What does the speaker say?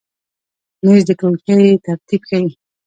مېز د ټولګۍ ترتیب ښیي.